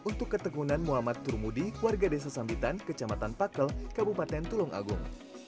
untuk ketegunan muhammad turmudi warga desa sambitan kecamatan pakel kabupaten tulung agung